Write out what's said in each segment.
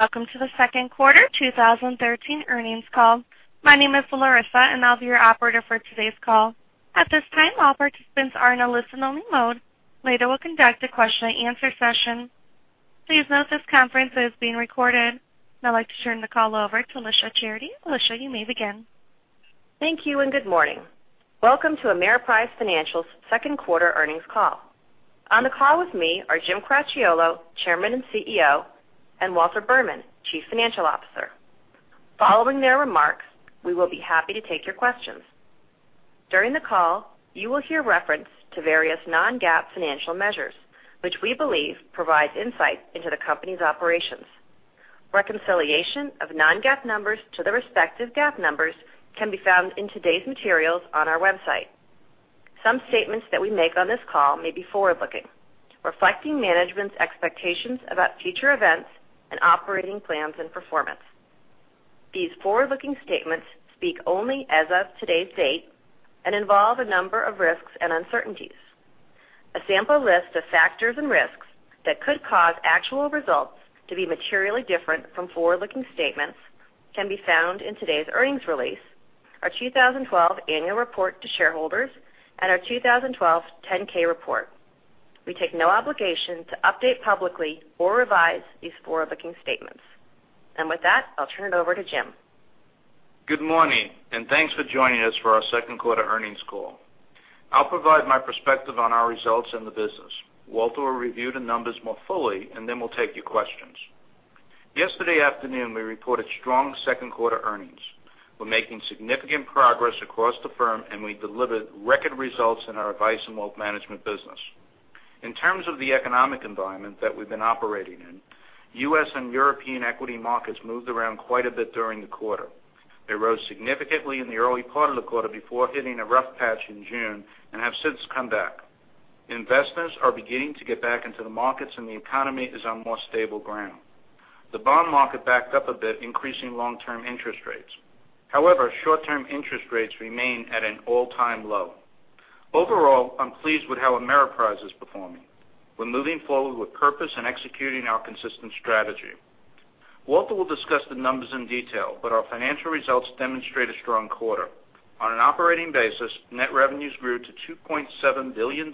Welcome to the second quarter 2013 earnings call. My name is Larissa, and I'll be your operator for today's call. At this time, all participants are in a listen-only mode. Later, we'll conduct a question and answer session. Please note this conference is being recorded. I'd like to turn the call over to Alicia Charity. Alicia, you may begin. Thank you, and good morning. Welcome to Ameriprise Financial's second quarter earnings call. On the call with me are Jim Cracchiolo, Chairman and CEO, and Walter Berman, Chief Financial Officer. Following their remarks, we will be happy to take your questions. During the call, you will hear reference to various non-GAAP financial measures, which we believe provides insight into the company's operations. Reconciliation of non-GAAP numbers to the respective GAAP numbers can be found in today's materials on our website. Some statements that we make on this call may be forward-looking, reflecting management's expectations about future events and operating plans and performance. These forward-looking statements speak only as of today's date and involve a number of risks and uncertainties. A sample list of factors and risks that could cause actual results to be materially different from forward-looking statements can be found in today's earnings release, our 2012 annual report to shareholders, and our 2012 10-K report. With that, I'll turn it over to Jim. Good morning, and thanks for joining us for our second quarter earnings call. I'll provide my perspective on our results in the business. Walter will review the numbers more fully, and then we'll take your questions. Yesterday afternoon, we reported strong second quarter earnings. We're making significant progress across the firm, and we delivered record results in our advice and wealth management business. In terms of the economic environment that we've been operating in, U.S. and European equity markets moved around quite a bit during the quarter. They rose significantly in the early part of the quarter before hitting a rough patch in June and have since come back. Investors are beginning to get back into the markets, and the economy is on more stable ground. The bond market backed up a bit, increasing long-term interest rates. However, short-term interest rates remain at an all-time low. Overall, I'm pleased with how Ameriprise is performing. We're moving forward with purpose and executing our consistent strategy. Walter will discuss the numbers in detail, our financial results demonstrate a strong quarter. On an operating basis, net revenues grew to $2.7 billion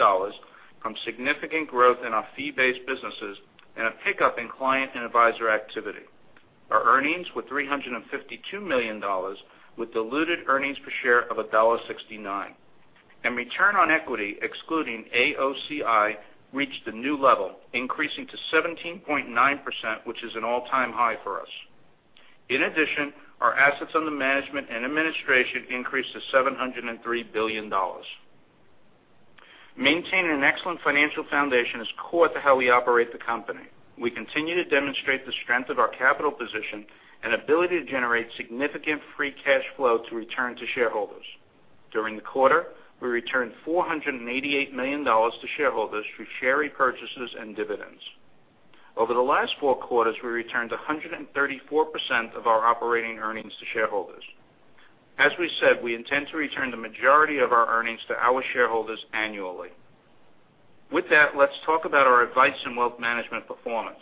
from significant growth in our fee-based businesses and a pickup in client and advisor activity. Our earnings were $352 million with diluted earnings per share of $1.69. Return on equity, excluding AOCI, reached a new level, increasing to 17.9%, which is an all-time high for us. In addition, our assets under management and administration increased to $703 billion. Maintaining an excellent financial foundation is core to how we operate the company. We continue to demonstrate the strength of our capital position and ability to generate significant free cash flow to return to shareholders. During the quarter, we returned $488 million to shareholders through share repurchases and dividends. Over the last 4 quarters, we returned 134% of our operating earnings to shareholders. As we said, we intend to return the majority of our earnings to our shareholders annually. With that, let's talk about our advice and wealth management performance.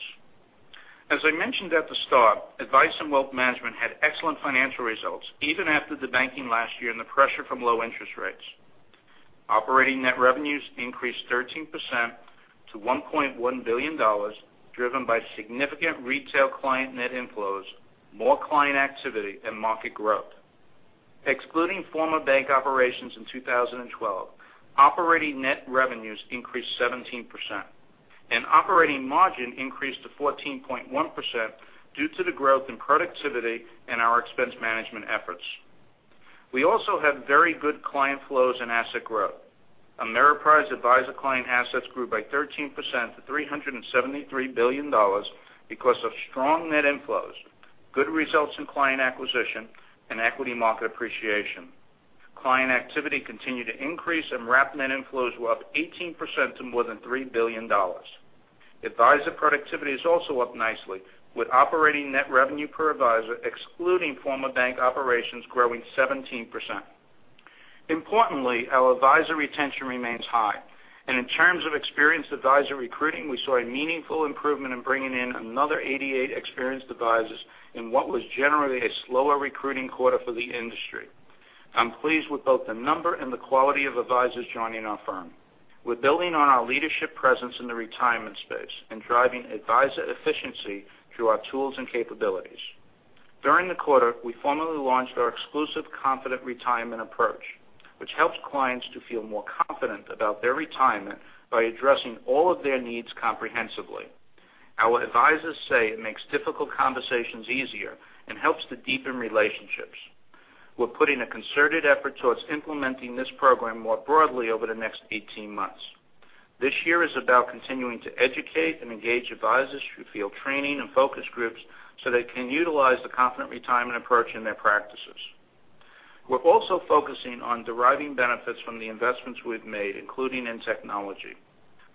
As I mentioned at the start, advice and wealth management had excellent financial results even after debanking last year and the pressure from low interest rates. Operating net revenues increased 13% to $1.1 billion, driven by significant retail client net inflows, more client activity, and market growth. Excluding former bank operations in 2012, operating net revenues increased 17%, operating margin increased to 14.1% due to the growth in productivity and our expense management efforts. We also had very good client flows and asset growth. Ameriprise advisor client assets grew by 13% to $373 billion because of strong net inflows, good results in client acquisition, and equity market appreciation. Client activity continued to increase, wrap net inflows were up 18% to more than $3 billion. Advisor productivity is also up nicely, with operating net revenue per advisor, excluding former bank operations, growing 17%. Importantly, our advisor retention remains high. In terms of experienced advisor recruiting, we saw a meaningful improvement in bringing in another 88 experienced advisors in what was generally a slower recruiting quarter for the industry. I'm pleased with both the number and the quality of advisors joining our firm. We're building on our leadership presence in the retirement space and driving advisor efficiency through our tools and capabilities. During the quarter, we formally launched our exclusive Confident Retirement approach, which helps clients to feel more confident about their retirement by addressing all of their needs comprehensively. Our advisors say it makes difficult conversations easier and helps to deepen relationships. We're putting a concerted effort towards implementing this program more broadly over the next 18 months. This year is about continuing to educate and engage advisors through field training and focus groups so they can utilize the Confident Retirement approach in their practices. We're also focusing on deriving benefits from the investments we've made, including in technology.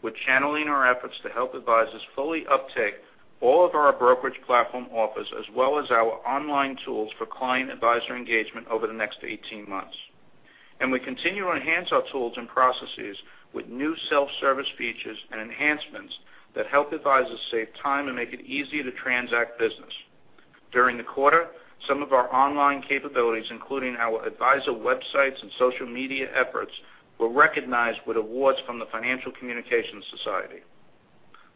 We're channeling our efforts to help advisors fully uptake all of our brokerage platform offers as well as our online tools for client advisor engagement over the next 18 months. We continue to enhance our tools and processes with new self-service features and enhancements that help advisors save time and make it easy to transact business. During the quarter, some of our online capabilities, including our advisor websites and social media efforts, were recognized with awards from the Financial Communications Society.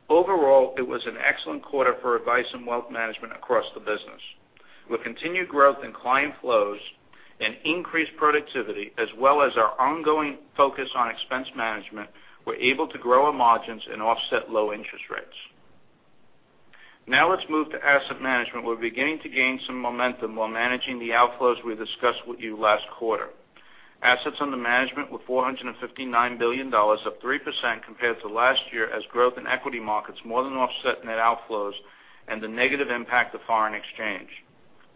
Overall, it was an excellent quarter for advice and wealth management across the business. With continued growth in client flows and increased productivity, as well as our ongoing focus on expense management, we're able to grow our margins and offset low interest rates. Let's move to Asset Management. We're beginning to gain some momentum while managing the outflows we discussed with you last quarter. Assets under management were $459 billion, up 3% compared to last year, as growth in equity markets more than offset net outflows and the negative impact of foreign exchange.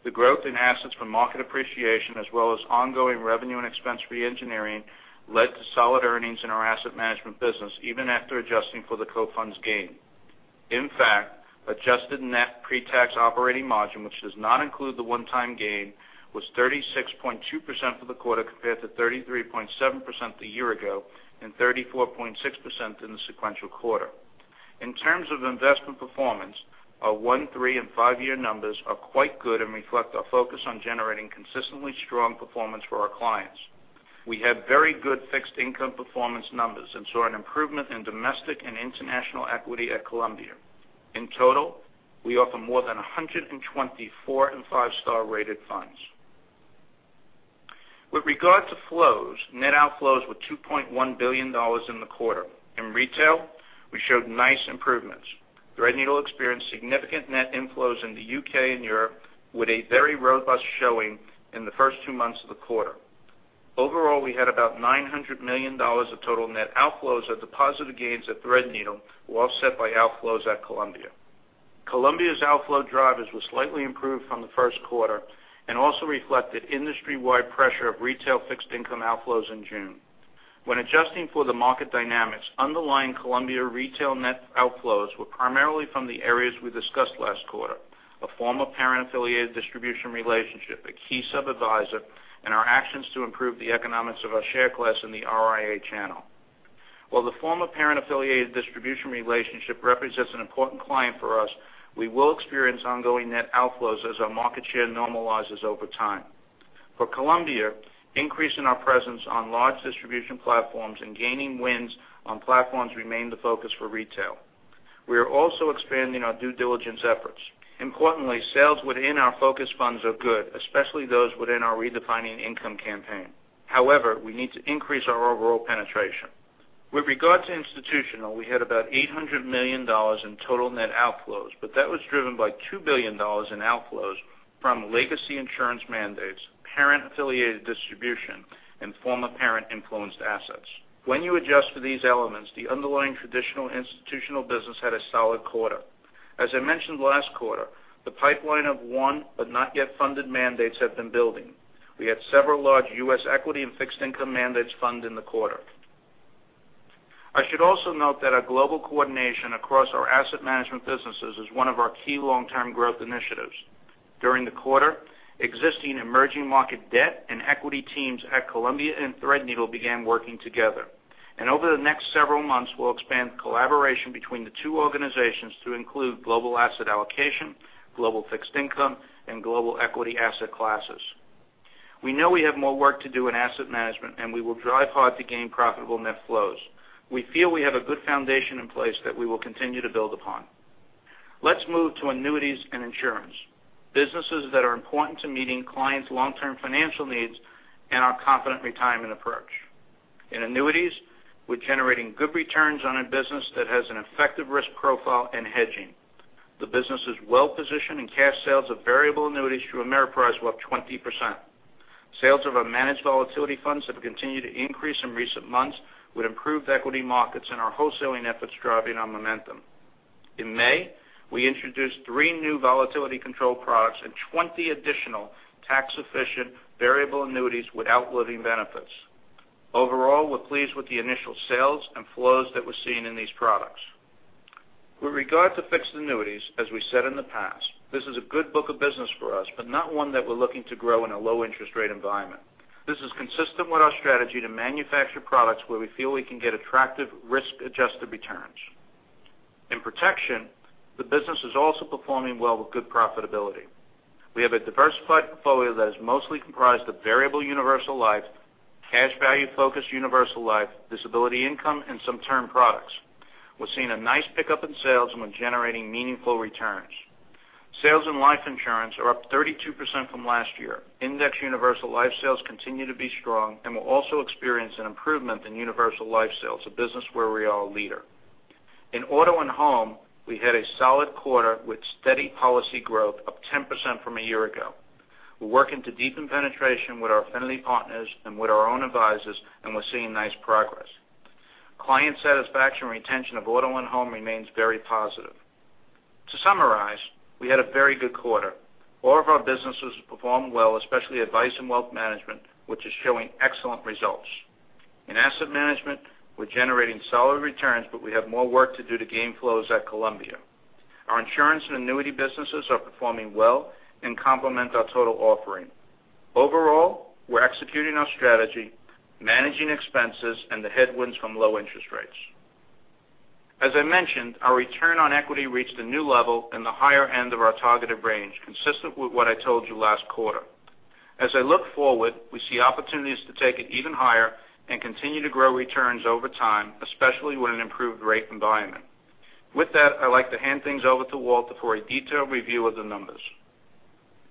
The growth in assets from market appreciation, as well as ongoing revenue and expense reengineering, led to solid earnings in our Asset Management business, even after adjusting for the Cofunds' gain. In fact, adjusted net pre-tax operating margin, which does not include the one-time gain, was 36.2% for the quarter, compared to 33.7% a year ago and 34.6% in the sequential quarter. In terms of investment performance, our one, three, and five-year numbers are quite good and reflect our focus on generating consistently strong performance for our clients. We had very good fixed income performance numbers and saw an improvement in domestic and international equity at Columbia. In total, we offer more than 124- and 5-star rated funds. With regard to flows, net outflows were $2.1 billion in the quarter. In retail, we showed nice improvements. Threadneedle experienced significant net inflows in the U.K. and Europe, with a very robust showing in the first two months of the quarter. Overall, we had about $900 million of total net outflows of deposit gains at Threadneedle, who offset by outflows at Columbia. Columbia's outflow drivers were slightly improved from the first quarter and also reflected industry-wide pressure of retail fixed income outflows in June. When adjusting for the market dynamics, underlying Columbia retail net outflows were primarily from the areas we discussed last quarter: a former parent-affiliated distribution relationship, a key sub-advisor, and our actions to improve the economics of our share class in the RIA channel. While the former parent-affiliated distribution relationship represents an important client for us, we will experience ongoing net outflows as our market share normalizes over time. For Columbia, increasing our presence on large distribution platforms and gaining wins on platforms remain the focus for retail. We are also expanding our due diligence efforts. Importantly, sales within our focus funds are good, especially those within our Redefining Income campaign. We need to increase our overall penetration. With regard to institutional, we had about $800 million in total net outflows, but that was driven by $2 billion in outflows from legacy insurance mandates, parent-affiliated distribution, and former parent-influenced assets. When you adjust for these elements, the underlying traditional institutional business had a solid quarter. As I mentioned last quarter, the pipeline of one but not yet funded mandates have been building. We had several large U.S. equity and fixed income mandates fund in the quarter. I should also note that our global coordination across our Asset Management businesses is one of our key long-term growth initiatives. During the quarter, existing emerging market debt and equity teams at Columbia and Threadneedle began working together. Over the next several months, we'll expand collaboration between the two organizations to include global asset allocation, global fixed income, and global equity asset classes. We know we have more work to do in asset management, and we will drive hard to gain profitable net flows. We feel we have a good foundation in place that we will continue to build upon. Let's move to annuities and insurance, businesses that are important to meeting clients' long-term financial needs and our Confident Retirement approach. In annuities, we're generating good returns on a business that has an effective risk profile and hedging. The business is well-positioned, and cash sales of variable annuities through Ameriprise were up 20%. Sales of our managed volatility funds have continued to increase in recent months with improved equity markets and our wholesaling efforts driving our momentum. In May, we introduced three new volatility control products and 20 additional tax-efficient variable annuities without living benefits. Overall, we're pleased with the initial sales and flows that we're seeing in these products. With regard to fixed annuities, as we said in the past, this is a good book of business for us, but not one that we're looking to grow in a low interest rate environment. This is consistent with our strategy to manufacture products where we feel we can get attractive risk-adjusted returns. In protection, the business is also performing well with good profitability. We have a diversified portfolio that is mostly comprised of variable universal life, cash value focus universal life, disability income, and some term products. We're seeing a nice pickup in sales, and we're generating meaningful returns. Sales in life insurance are up 32% from last year. We're also experiencing an improvement in universal life sales, a business where we are a leader. In auto and home, we had a solid quarter with steady policy growth up 10% from a year ago. We're working to deepen penetration with our affinity partners and with our own advisors, and we're seeing nice progress. Client satisfaction retention of auto and home remains very positive. To summarize, we had a very good quarter. All of our businesses performed well, especially advice and wealth management, which is showing excellent results. In asset management, we're generating solid returns, we have more work to do to gain flows at Columbia. Our insurance and annuity businesses are performing well and complement our total offering. Overall, we're executing our strategy, managing expenses, the headwinds from low interest rates. As I mentioned, our return on equity reached a new level in the higher end of our targeted range, consistent with what I told you last quarter. As I look forward, we see opportunities to take it even higher and continue to grow returns over time, especially with an improved rate environment. With that, I'd like to hand things over to Walter for a detailed review of the numbers.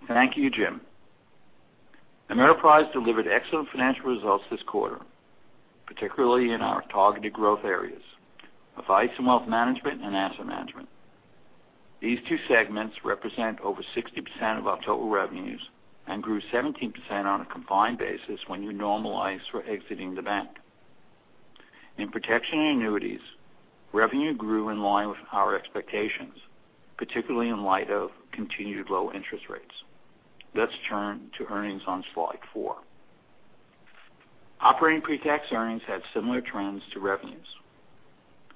Thank you, Jim. Ameriprise delivered excellent financial results this quarter, particularly in our targeted growth areas, Advice and Wealth Management and Asset Management. These two segments represent over 60% of our total revenues and grew 17% on a combined basis when you normalize for exiting the bank. In protection and annuities, revenue grew in line with our expectations, particularly in light of continued low interest rates. Let's turn to earnings on slide four. Operating pre-tax earnings had similar trends to revenues.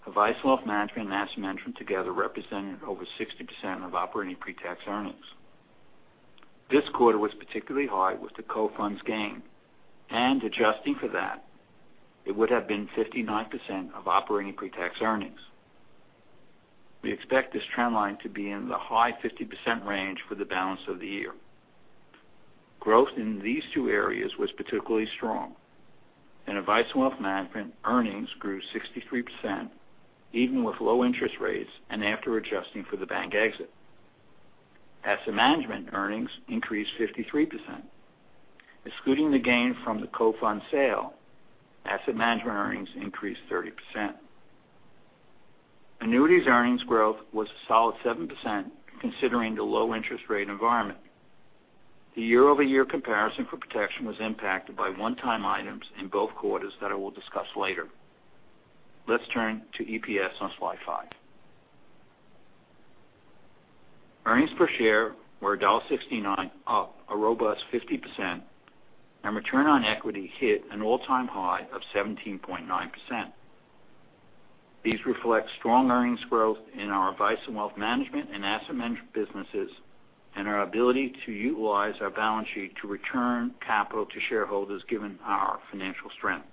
Advice and Wealth Management and Asset Management together represented over 60% of operating pre-tax earnings. This quarter was particularly high with the Cofunds gain, and adjusting for that, it would have been 59% of operating pre-tax earnings. We expect this trend line to be in the high 50% range for the balance of the year. Growth in these two areas was particularly strong. In Advice and Wealth Management, earnings grew 63%, even with low interest rates and after adjusting for the bank exit. Asset Management earnings increased 53%. Excluding the gain from the Cofunds sale, Asset Management earnings increased 30%. Annuities earnings growth was a solid 7% considering the low interest rate environment. The year-over-year comparison for protection was impacted by one-time items in both quarters that I will discuss later. Let's turn to EPS on slide five. Earnings per share were $1.69, up a robust 50%, and return on equity hit an all-time high of 17.9%. These reflect strong earnings growth in our Advice and Wealth Management and Asset Management businesses and our ability to utilize our balance sheet to return capital to shareholders given our financial strength.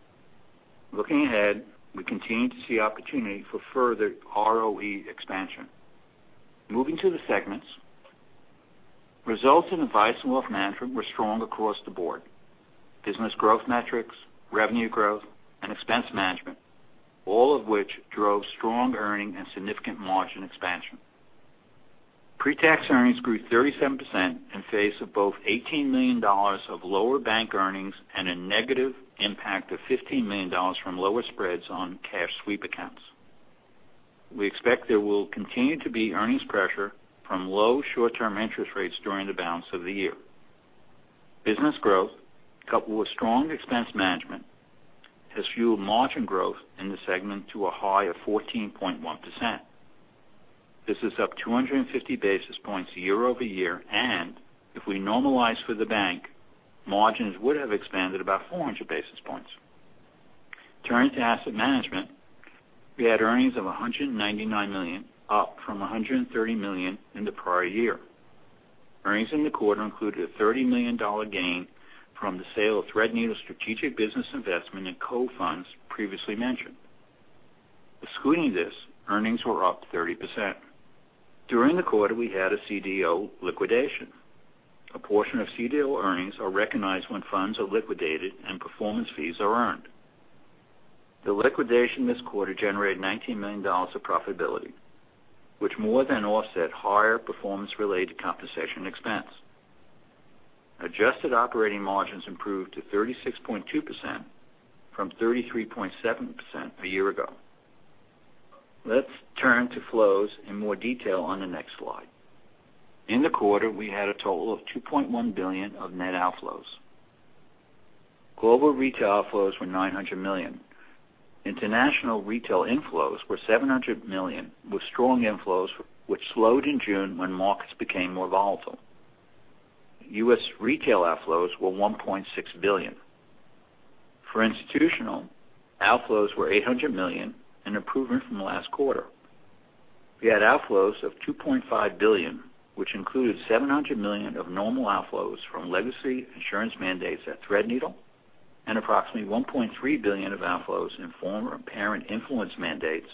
Looking ahead, we continue to see opportunity for further ROE expansion. Moving to the segments, results in Advice and Wealth Management were strong across the board. Business growth metrics, revenue growth, and expense management, all of which drove strong earning and significant margin expansion. Pre-tax earnings grew 37% in face of both $18 million of lower bank earnings and a negative impact of $15 million from lower spreads on cash sweep accounts. We expect there will continue to be earnings pressure from low short-term interest rates during the balance of the year. Business growth, coupled with strong expense management, has fueled margin growth in the segment to a high of 14.1%. This is up 250 basis points year-over-year, and if we normalize for the bank, margins would have expanded about 400 basis points. Turning to Asset Management, we had earnings of $199 million, up from $130 million in the prior year. Earnings in the quarter included a $30 million gain from the sale of Threadneedle strategic business investment and Cofunds previously mentioned. Excluding this, earnings were up 30%. During the quarter, we had a CDO liquidation. A portion of CDO earnings are recognized when funds are liquidated and performance fees are earned. The liquidation this quarter generated $19 million of profitability, which more than offset higher performance-related compensation expense. Adjusted operating margins improved to 36.2% from 33.7% a year ago. Let's turn to flows in more detail on the next slide. In the quarter, we had a total of $2.1 billion of net outflows. Global retail outflows were $900 million. International retail inflows were $700 million, with strong inflows which slowed in June when markets became more volatile. U.S. retail outflows were $1.6 billion. For institutional, outflows were $800 million, an improvement from last quarter. We had outflows of $2.5 billion, which included $700 million of normal outflows from legacy insurance mandates at Threadneedle and approximately $1.3 billion of outflows in former parent influence mandates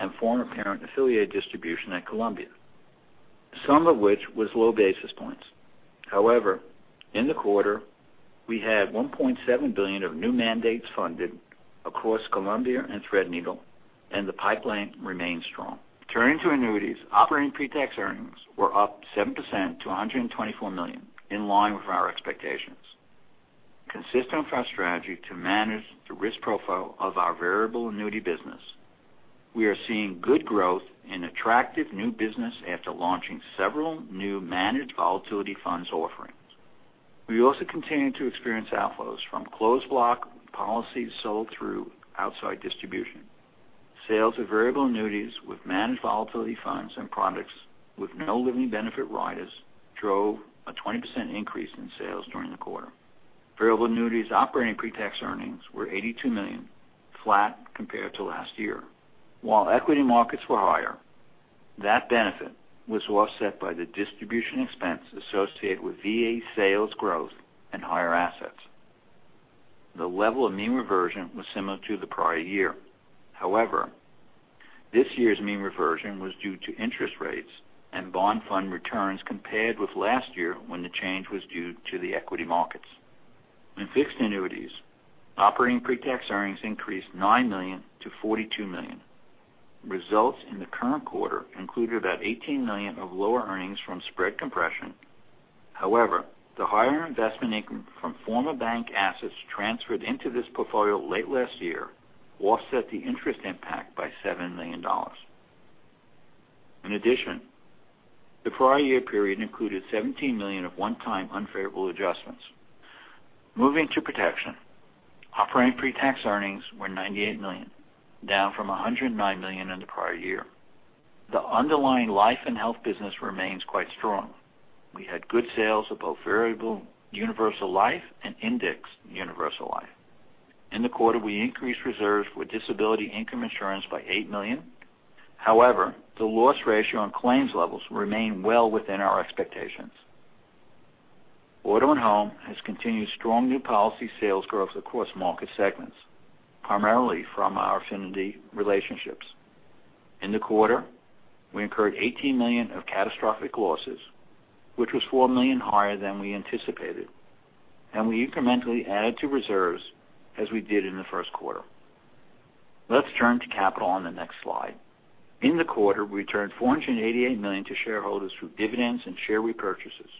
and former parent affiliate distribution at Columbia, some of which was low basis points. In the quarter, we had $1.7 billion of new mandates funded across Columbia and Threadneedle, and the pipeline remains strong. Turning to annuities, operating pre-tax earnings were up 7% to $124 million, in line with our expectations. Consistent with our strategy to manage the risk profile of our variable annuity business, we are seeing good growth in attractive new business after launching several new managed volatility funds offerings. We also continue to experience outflows from closed block policies sold through outside distribution. Sales of variable annuities with managed volatility funds and products with no living benefit riders drove a 20% increase in sales during the quarter. Variable annuities operating pre-tax earnings were $82 million, flat compared to last year. While equity markets were higher, that benefit was offset by the distribution expense associated with VA sales growth and higher assets. The level of mean reversion was similar to the prior year. This year's mean reversion was due to interest rates and bond fund returns compared with last year, when the change was due to the equity markets. In fixed annuities, operating pre-tax earnings increased $9 million to $42 million. Results in the current quarter included about $18 million of lower earnings from spread compression. The higher investment income from former bank assets transferred into this portfolio late last year offset the interest impact by $7 million. In addition, the prior year period included $17 million of one-time unfavorable adjustments. Moving to protection. Operating pre-tax earnings were $98 million, down from $109 million in the prior year. The underlying life and health business remains quite strong. We had good sales of both variable universal life and index universal life. In the quarter, we increased reserves for disability income insurance by $8 million. The loss ratio on claims levels remain well within our expectations. Auto and home has continued strong new policy sales growth across market segments, primarily from our affinity relationships. In the quarter, we incurred $18 million of catastrophic losses, which was $4 million higher than we anticipated, and we incrementally added to reserves as we did in the first quarter. Let's turn to capital on the next slide. In the quarter, we returned $488 million to shareholders through dividends and share repurchases.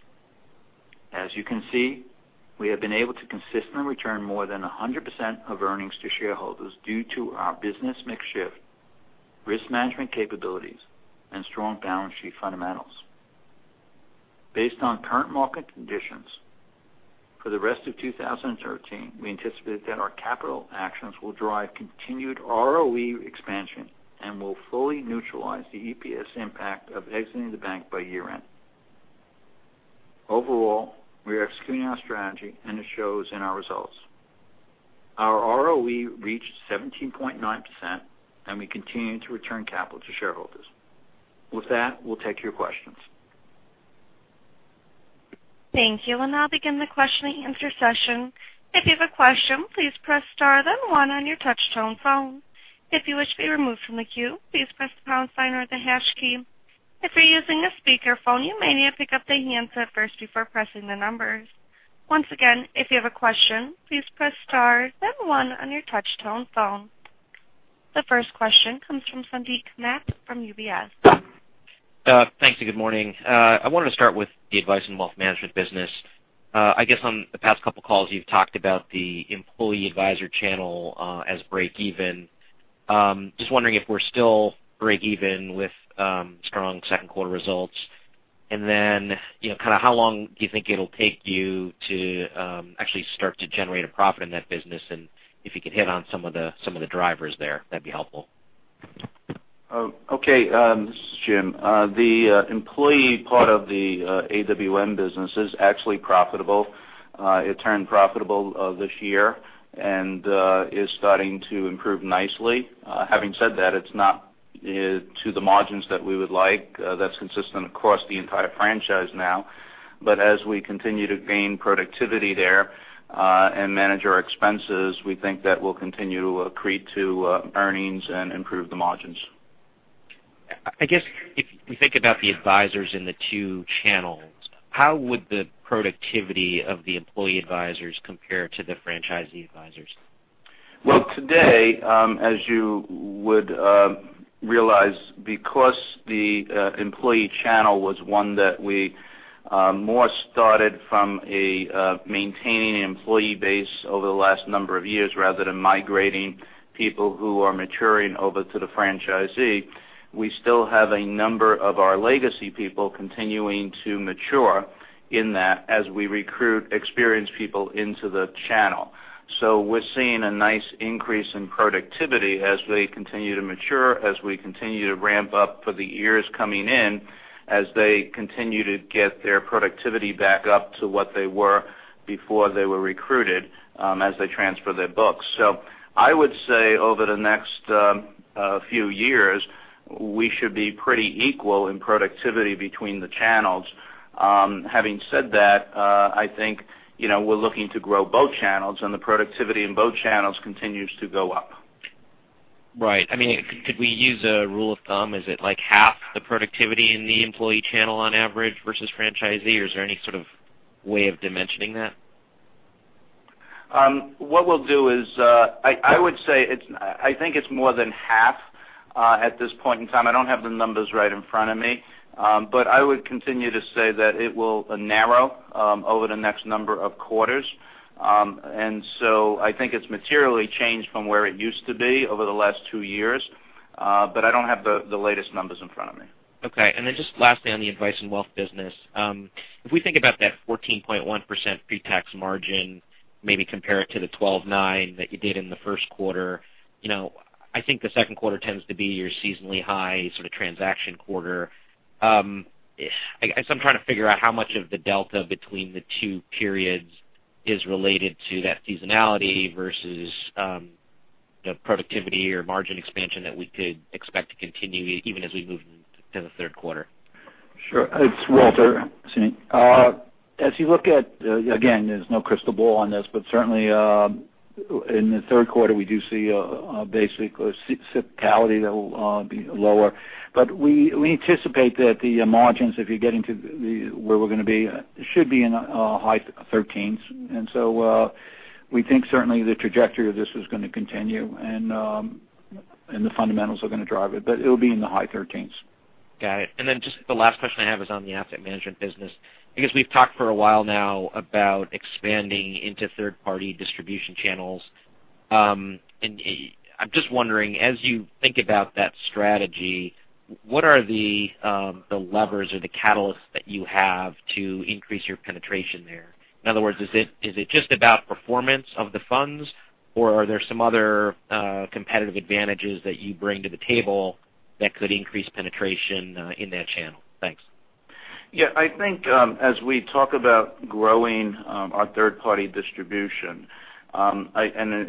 As you can see, we have been able to consistently return more than 100% of earnings to shareholders due to our business mix shift, risk management capabilities, and strong balance sheet fundamentals. Based on current market conditions for the rest of 2013, we anticipate that our capital actions will drive continued ROE expansion and will fully neutralize the EPS impact of exiting the bank by year-end. Overall, we are executing our strategy, and it shows in our results. Our ROE reached 17.9%, and we continue to return capital to shareholders. With that, we'll take your questions. Thank you. We'll now begin the question and answer session. If you have a question, please press star then one on your touch tone phone. If you wish to be removed from the queue, please press the pound sign or the hash key. If you're using a speakerphone, you may need to pick up the handset first before pressing the numbers. Once again, if you have a question, please press star then one on your touch tone phone. The first question comes from Suneet Kamath from UBS. Thanks, and good morning. I wanted to start with the advice and wealth management business. I guess on the past couple of calls, you've talked about the employee advisor channel as break even. Just wondering if we're still break even with strong second quarter results, and then how long do you think it'll take you to actually start to generate a profit in that business? And if you could hit on some of the drivers there, that'd be helpful. Okay. This is Jim. The employee part of the AWM business is actually profitable. It turned profitable this year and is starting to improve nicely. Having said that, it's not to the margins that we would like. That's consistent across the entire franchise now. As we continue to gain productivity there and manage our expenses, we think that will continue to accrete to earnings and improve the margins. I guess if we think about the advisors in the two channels, how would the productivity of the employee advisors compare to the franchisee advisors? Well, today, as you would realize, because the employee channel was one that we more started from maintaining an employee base over the last number of years rather than migrating people who are maturing over to the franchisee, we still have a number of our legacy people continuing to mature in that as we recruit experienced people into the channel. We're seeing a nice increase in productivity as they continue to mature, as we continue to ramp up for the years coming in, as they continue to get their productivity back up to what they were before they were recruited, as they transfer their books. I would say over the next few years, we should be pretty equal in productivity between the channels. Having said that, I think we're looking to grow both channels, and the productivity in both channels continues to go up. Right. Could we use a rule of thumb? Is it half the productivity in the employee channel on average versus franchisee, or is there any sort of way of dimensioning that? What we'll do is, I think it's more than half at this point in time. I don't have the numbers right in front of me. I would continue to say that it will narrow over the next number of quarters. I think it's materially changed from where it used to be over the last two years. I don't have the latest numbers in front of me. Okay. Just lastly, on the advice and wealth business. If we think about that 14.1% pre-tax margin, maybe compare it to the 12.9% that you did in the first quarter, I think the second quarter tends to be your seasonally high sort of transaction quarter. I guess I'm trying to figure out how much of the delta between the two periods is related to that seasonality versus the productivity or margin expansion that we could expect to continue even as we move into the third quarter. Sure. It's Walter Berman. As you look at, again, there's no crystal ball on this, but certainly, in the third quarter, we do see a basic seasonality that will be lower. We anticipate that the margins, if you're getting to where we're going to be, should be in the high thirteens. We think certainly the trajectory of this is going to continue, and the fundamentals are going to drive it, but it'll be in the high thirteens. Got it. Just the last question I have is on the asset management business. I guess we've talked for a while now about expanding into third-party distribution channels. I'm just wondering, as you think about that strategy, what are the levers or the catalysts that you have to increase your penetration there? In other words, is it just about performance of the funds, or are there some other competitive advantages that you bring to the table that could increase penetration in that channel? Thanks. Yeah, I think as we talk about growing our third-party distribution, and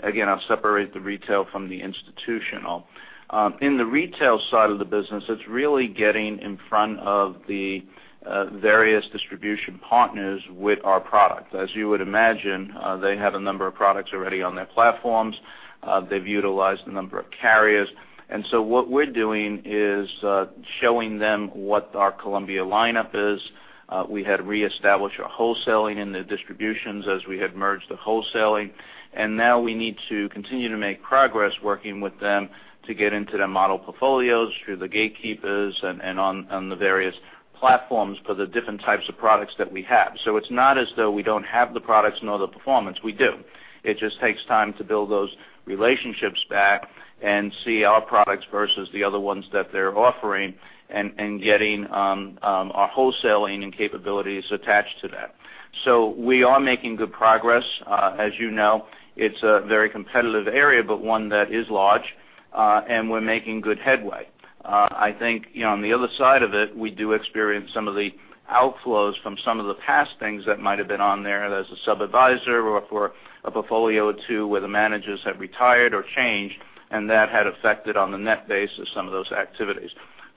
again, I'll separate the retail from the institutional. In the retail side of the business, it's really getting in front of the various distribution partners with our product. As you would imagine, they have a number of products already on their platforms. They've utilized a number of carriers. What we're doing is showing them what our Columbia lineup is. We had reestablished our wholesaling and the distributions as we had merged the wholesaling, and now we need to continue to make progress working with them to get into their model portfolios through the gatekeepers and on the various platforms for the different types of products that we have. It's not as though we don't have the products nor the performance. We do. It just takes time to build those relationships back and see our products versus the other ones that they're offering and getting our wholesaling and capabilities attached to that. We are making good progress. As you know, it's a very competitive area, but one that is large, and we're making good headway. I think on the other side of it, we do experience some of the outflows from some of the past things that might have been on there as a sub-adviser or for a portfolio or two where the managers have retired or changed, and that had affected on the net basis some of those activities.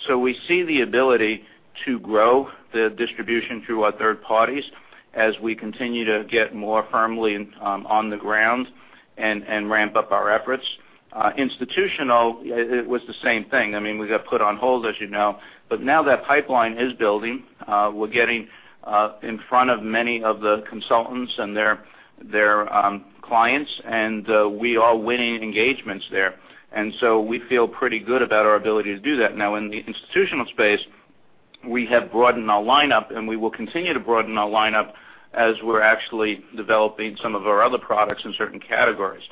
We see the ability to grow the distribution through our third parties as we continue to get more firmly on the ground and ramp up our efforts. Institutional, it was the same thing. We got put on hold, as you know. Now that pipeline is building. We're getting in front of many of the consultants and their clients, and we are winning engagements there. We feel pretty good about our ability to do that. Now, in the institutional space, we have broadened our lineup, and we will continue to broaden our lineup as we're actually developing some of our other products in certain categories.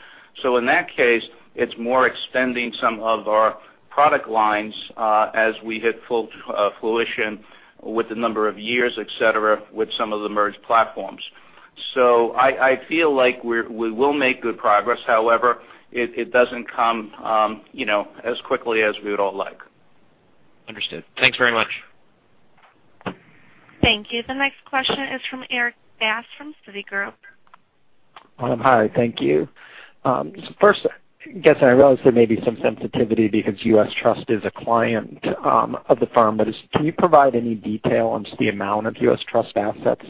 In that case, it's more extending some of our product lines as we hit full fruition with the number of years, et cetera, with some of the merged platforms. I feel like we will make good progress. However, it doesn't come as quickly as we would all like. Understood. Thanks very much. Thank you. The next question is from Erik Bass from Citigroup. Hi, thank you. First, I guess I realize there may be some sensitivity because U.S. Trust is a client of the firm, but can you provide any detail on just the amount of U.S. Trust assets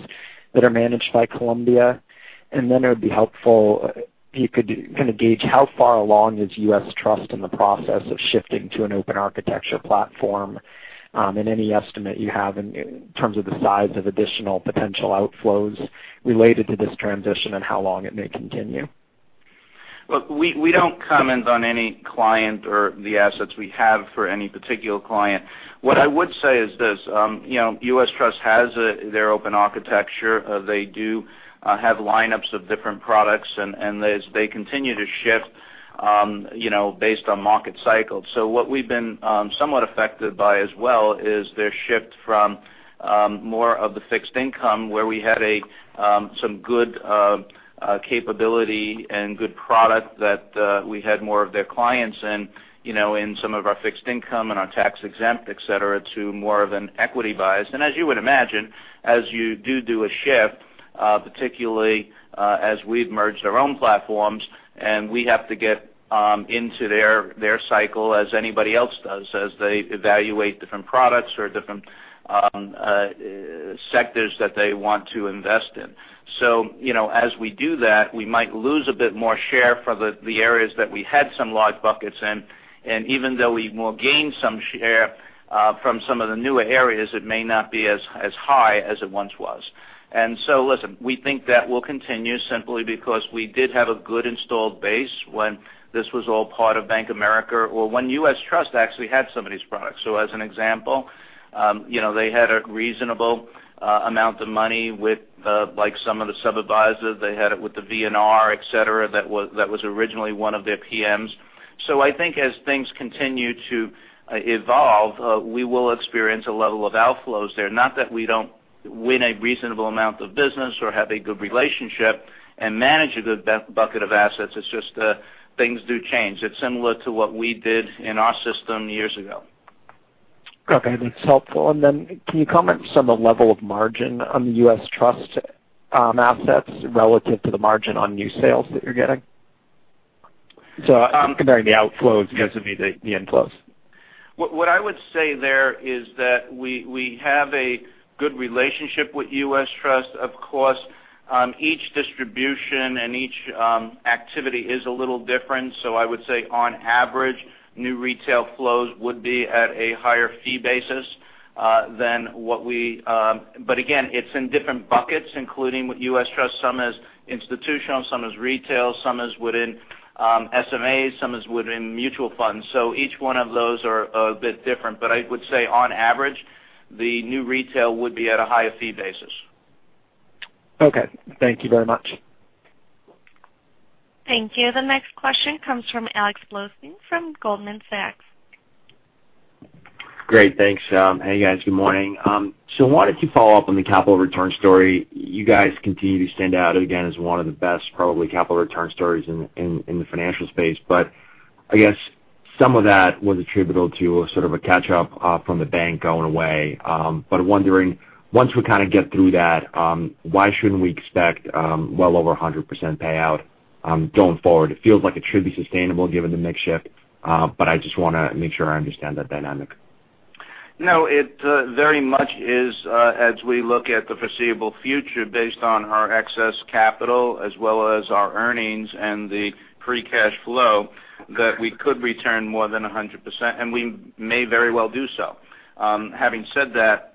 that are managed by Columbia? It would be helpful if you could kind of gauge how far along is U.S. Trust in the process of shifting to an open architecture platform, and any estimate you have in terms of the size of additional potential outflows related to this transition and how long it may continue. We don't comment on any client or the assets we have for any particular client. What I would say is this, U.S. Trust has their open architecture. They do have lineups of different products, and they continue to shift based on market cycles. What we've been somewhat affected by as well is their shift from more of the fixed income where we had some good capability and good product that we had more of their clients in some of our fixed income and our tax-exempt, et cetera, to more of an equity bias. As you would imagine, as you do a shift, particularly as we've merged our own platforms, and we have to get into their cycle as anybody else does, as they evaluate different products or different sectors that they want to invest in. As we do that, we might lose a bit more share for the areas that we had some large buckets in. Even though we will gain some share from some of the newer areas, it may not be as high as it once was. Listen, we think that will continue simply because we did have a good installed base when this was all part of Bank of America or when U.S. Trust actually had some of these products. As an example, they had a reasonable amount of money with some of the sub-advisors. They had it with the VNR, et cetera, that was originally one of their PMs. I think as things continue to evolve, we will experience a level of outflows there. Not that we don't win a reasonable amount of business or have a good relationship and manage a good bucket of assets. It's just things do change. It's similar to what we did in our system years ago. Okay, that's helpful. Can you comment on the level of margin on the U.S. Trust assets relative to the margin on new sales that you're getting? Comparing the outflows versus the inflows. What I would say there is that we have a good relationship with U.S. Trust. Of course, each distribution and each activity is a little different. I would say on average, new retail flows would be at a higher fee basis than what we again, it's in different buckets, including with U.S. Trust. Some is institutional, some is retail, some is within SMAs, some is within mutual funds. Each one of those are a bit different. I would say on average, the new retail would be at a higher fee basis. Okay. Thank you very much. Thank you. The next question comes from Alex Blostein from Goldman Sachs. Great. Thanks. Hey, guys. Good morning. I wanted to follow up on the capital return story. You guys continue to stand out again as one of the best probably capital return stories in the financial space. I guess some of that was attributable to sort of a catch up from the bank going away. Wondering, once we kind of get through that, why shouldn't we expect well over 100% payout going forward? It feels like it should be sustainable given the mix shift. I just want to make sure I understand that dynamic. No, it very much is, as we look at the foreseeable future based on our excess capital as well as our earnings and the free cash flow, that we could return more than 100%, and we may very well do so. Having said that,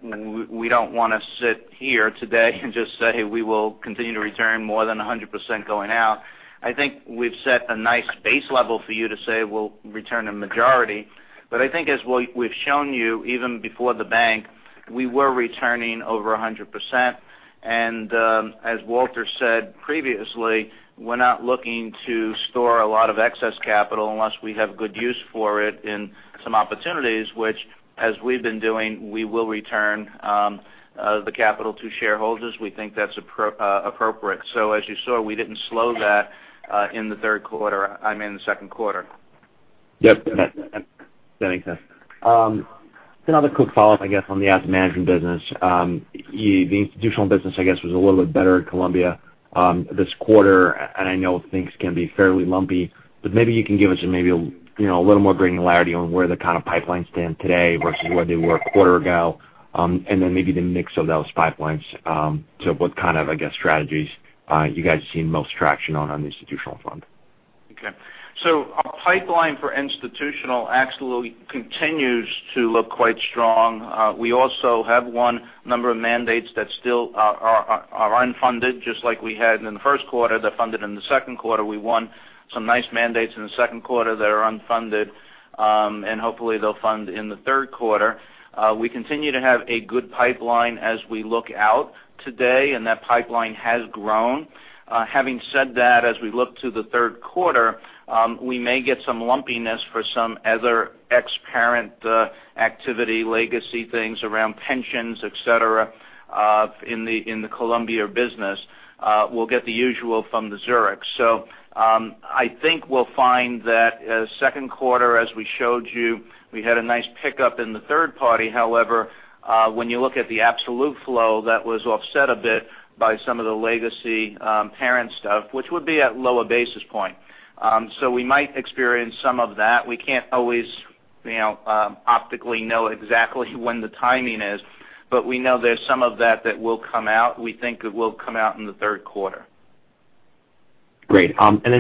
we don't want to sit here today and just say we will continue to return more than 100% going out. I think we've set a nice base level for you to say we'll return a majority. I think as we've shown you, even before the bank, we were returning over 100%. As Walter said previously, we're not looking to store a lot of excess capital unless we have good use for it in some opportunities, which, as we've been doing, we will return the capital to shareholders. We think that's appropriate. As you saw, we didn't slow that in the second quarter. Yes. That makes sense. Another quick follow-up, I guess, on the asset management business. The institutional business, I guess, was a little bit better at Columbia this quarter, and I know things can be fairly lumpy. Maybe you can give us maybe a little more granularity on where the kind of pipelines stand today versus where they were a quarter ago, and then maybe the mix of those pipelines to what kind of, I guess, strategies you guys seen most traction on the institutional front. Okay. Our pipeline for institutional absolutely continues to look quite strong. We also have won a number of mandates that still are unfunded, just like we had in the first quarter. They're funded in the second quarter. We won some nice mandates in the second quarter that are unfunded, and hopefully they'll fund in the third quarter. We continue to have a good pipeline as we look out today, and that pipeline has grown. Having said that, as we look to the third quarter, we may get some lumpiness for some other ex-parent activity, legacy things around pensions, et cetera, in the Columbia business. We'll get the usual from the Zurich. I think we'll find that second quarter, as we showed you, we had a nice pickup in the third party. However, when you look at the absolute flow, that was offset a bit by some of the legacy parent stuff, which would be at lower basis point. We might experience some of that. We can't always optically know exactly when the timing is, but we know there's some of that that will come out. We think it will come out in the third quarter. Great. I want to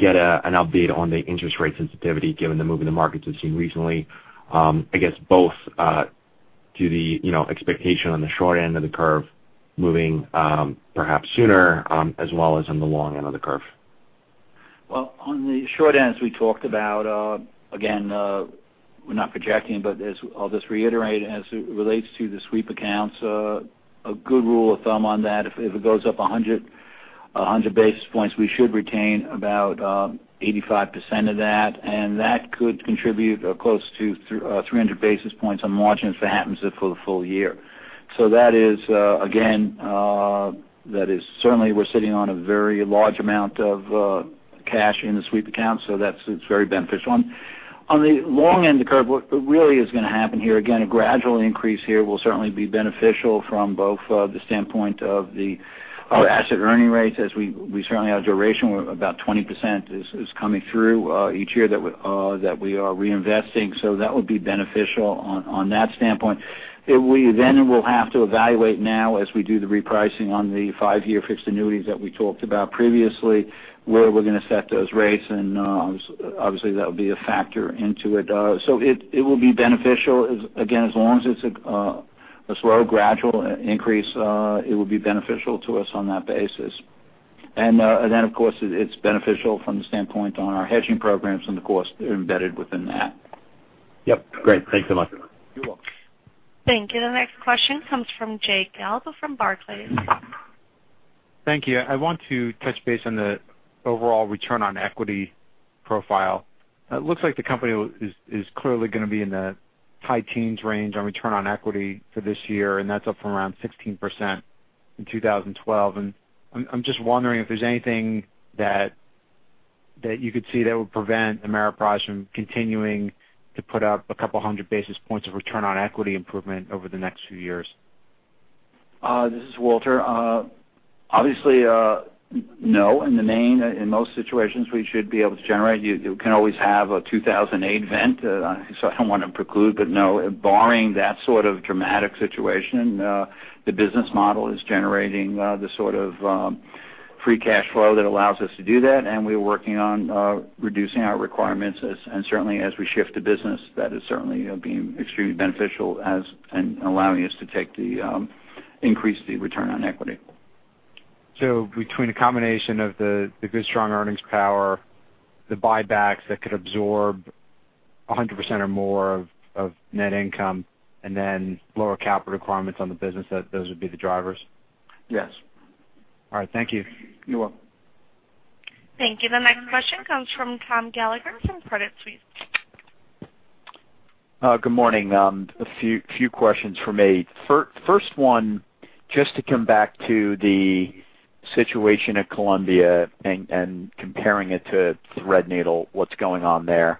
get an update on the interest rate sensitivity given the move in the markets we've seen recently. I guess both to the expectation on the short end of the curve moving perhaps sooner, as well as on the long end of the curve. Well, on the short end, as we talked about, again we're not projecting, but I'll just reiterate, as it relates to the sweep accounts, a good rule of thumb on that, if it goes up 100 basis points, we should retain about 85% of that, and that could contribute close to 300 basis points on margins if it happens for the full year. That is, again, certainly we're sitting on a very large amount of cash in the sweep account, that's very beneficial. On the long end of the curve, what really is going to happen here, again, a gradual increase here will certainly be beneficial from both the standpoint of the asset earning rates, as we certainly have duration, about 20% is coming through each year that we are reinvesting. That would be beneficial on that standpoint. We will have to evaluate now as we do the repricing on the five-year fixed annuities that we talked about previously, where we're going to set those rates, and obviously that'll be a factor into it. It will be beneficial. Again, as long as it's a slow, gradual increase, it will be beneficial to us on that basis. Of course, it's beneficial from the standpoint on our hedging programs and the cost embedded within that. Yep. Great. Thanks so much. You're welcome. Thank you. The next question comes from Jay Gelb from Barclays. Thank you. I want to touch base on the overall return on equity profile. It looks like the company is clearly going to be in the high teens range on return on equity for this year, and that's up from around 16%. in 2012. I'm just wondering if there's anything that you could see that would prevent Ameriprise from continuing to put up a couple of hundred basis points of return on equity improvement over the next few years. This is Walter. Obviously, no. In the main, in most situations, we should be able to generate. You can always have a 2008 event, so I don't want to preclude, but no, barring that sort of dramatic situation, the business model is generating the sort of free cash flow that allows us to do that, we're working on reducing our requirements. Certainly, as we shift the business, that is certainly being extremely beneficial as in allowing us to increase the return on equity. Between the combination of the good strong earnings power, the buybacks that could absorb 100% or more of net income, then lower capital requirements on the business, those would be the drivers? Yes. All right. Thank you. You're welcome. Thank you. The next question comes from Tom Gallagher from Credit Suisse. Good morning. A few questions from me. First one, just to come back to the situation at Columbia and comparing it to Threadneedle, what's going on there?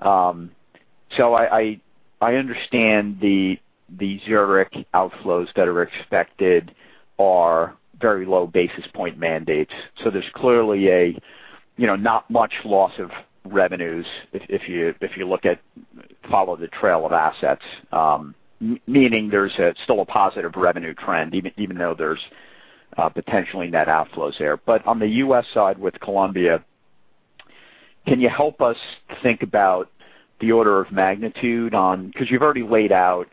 I understand the Zurich outflows that are expected are very low basis point mandates. There's clearly not much loss of revenues if you follow the trail of assets, meaning there's still a positive revenue trend even though there's potentially net outflows there. On the U.S. side with Columbia, can you help us think about the order of magnitude on, because you've already laid out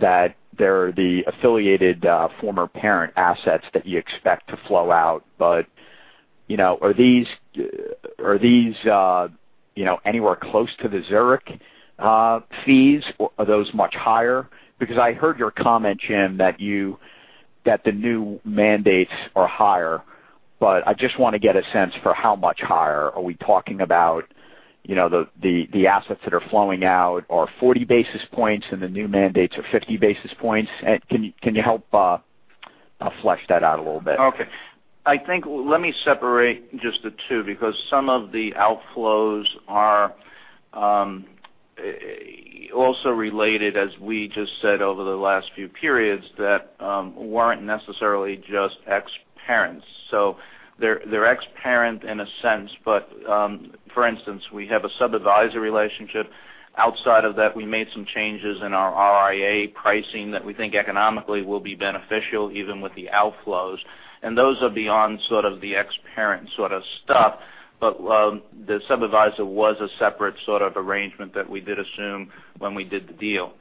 that there are the affiliated former parent assets that you expect to flow out, but are these anywhere close to the Zurich fees, or are those much higher? I heard your comment, Jim, that the new mandates are higher, but I just want to get a sense for how much higher? Are we talking about the assets that are flowing out are 40 basis points and the new mandates are 50 basis points? Can you help flesh that out a little bit? Okay. Let me separate just the two, because some of the outflows are also related, as we just said over the last few periods, that weren't necessarily just ex-parents. They're ex-parent in a sense, but for instance, we have a sub-advisory relationship. Outside of that, we made some changes in our RIA pricing that we think economically will be beneficial even with the outflows. Those are beyond the ex-parent stuff. The sub-adviser was a separate arrangement that we did assume when we did the deal.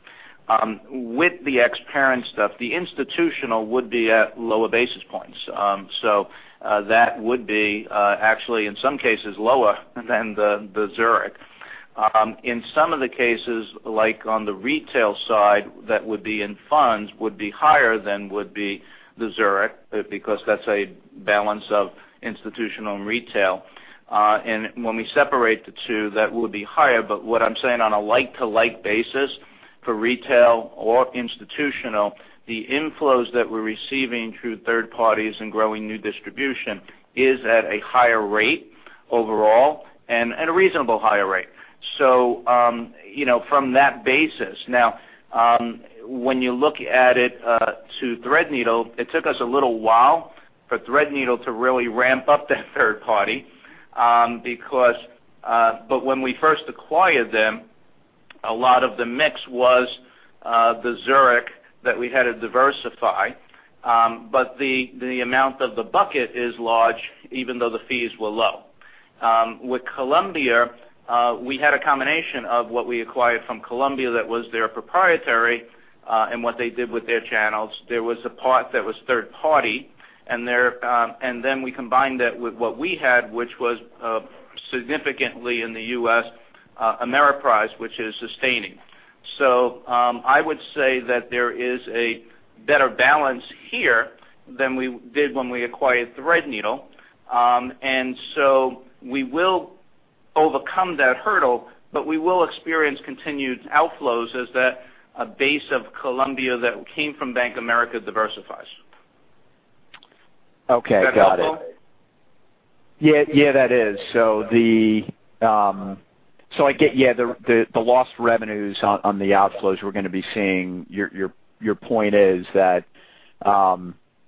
With the ex-parent stuff, the institutional would be at lower basis points. That would be actually, in some cases, lower than the Zurich. In some of the cases, like on the retail side, that would be in funds, would be higher than would be the Zurich, because that's a balance of institutional and retail. When we separate the two, that would be higher. What I'm saying on a like-to-like basis for retail or institutional, the inflows that we're receiving through third parties and growing new distribution is at a higher rate overall, and at a reasonable higher rate. From that basis. When you look at it to Threadneedle, it took us a little while for Threadneedle to really ramp up that third party. When we first acquired them, a lot of the mix was the Zurich that we had to diversify. The amount of the bucket is large, even though the fees were low. With Columbia, we had a combination of what we acquired from Columbia that was their proprietary, and what they did with their channels. There was a part that was third party, and then we combined that with what we had, which was significantly in the U.S., Ameriprise, which is sustaining. I would say that there is a better balance here than we did when we acquired Threadneedle. We will overcome that hurdle, but we will experience continued outflows as that base of Columbia that came from Bank of America diversifies. Okay. Got it. Is that helpful? Yeah, that is. I get, yeah, the lost revenues on the outflows we're going to be seeing. Your point is that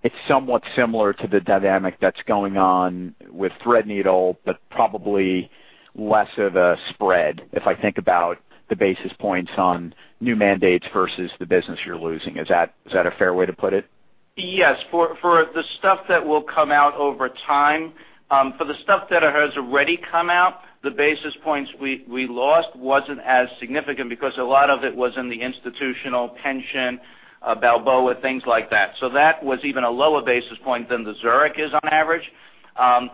it's somewhat similar to the dynamic that's going on with Threadneedle, but probably less of a spread, if I think about the basis points on new mandates versus the business you're losing. Is that a fair way to put it? Yes. For the stuff that will come out over time. For the stuff that has already come out, the basis points we lost wasn't as significant because a lot of it was in the institutional pension, Balboa, things like that. That was even a lower basis point than the Zurich is on average. On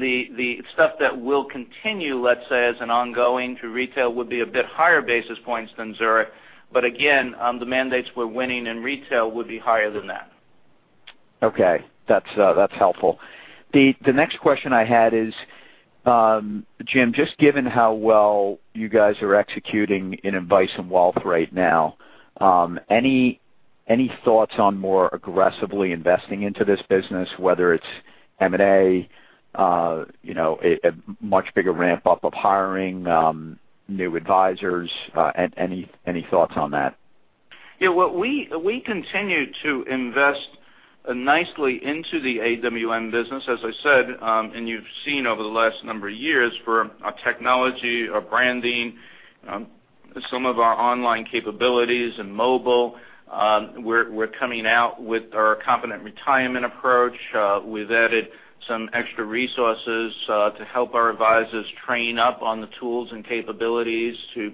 the stuff that will continue, let's say, as an ongoing through retail would be a bit higher basis points than Zurich. Again, the mandates we're winning in retail would be higher than that. Okay. That's helpful. The next question I had is Jim, just given how well you guys are executing in advice and wealth right now, any thoughts on more aggressively investing into this business, whether it's M&A, a much bigger ramp-up of hiring new advisors? Any thoughts on that? Yeah. We continue to invest nicely into the AWM business, as I said. You've seen over the last number of years for our technology, our branding, some of our online capabilities in mobile. We're coming out with our Confident Retirement approach. We've added some extra resources to help our advisors train up on the tools and capabilities to